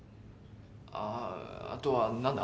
あぁあとは何だ？